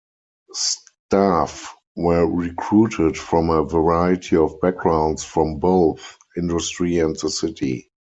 Staff were recruited from a variety of backgrounds from both industry and the City.